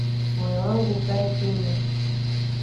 Moyo wangu ukae kimya,